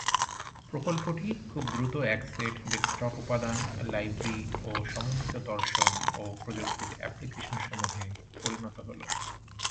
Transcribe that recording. প্রকল্পটি খুব দ্রুত এক সেট ডেস্কটপ উপাদান, লাইব্রেরি ও সমন্বিত দর্শন ও প্রযুক্তির অ্যাপলিকেশন সমূহে পরিণত হলো।